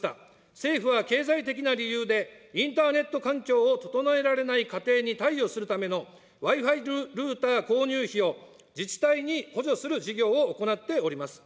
政府は経済的な理由でインターネット環境を整えられない家庭に貸与するためのＷｉ−Ｆｉルータ購入費を、自治体に補助する事業を行っております。